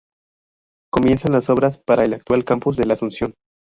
Comienzan las obras para el actual Campus de la Asunción.